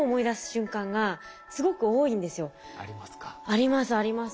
ありますあります。